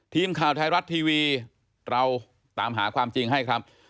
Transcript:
ทีมข่าวไทยรัฐทีวีเราตามหาความจริงให้ครับ